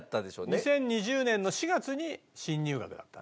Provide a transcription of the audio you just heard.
２０２０年の４月に新入学だった。